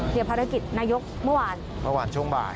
ภารกิจนายกเมื่อวานเมื่อวานช่วงบ่าย